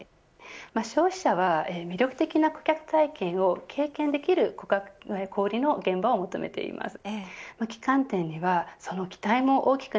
消費者は魅力的な顧客体験を経験できる体験を求めています。